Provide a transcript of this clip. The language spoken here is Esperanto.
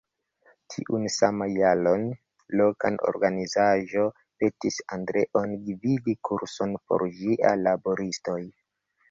Tiun saman jaron, loka organizaĵo petis Andreon gvidi kurson por ĝiaj laboristoj.